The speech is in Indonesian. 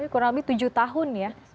kurang lebih tujuh tahun ya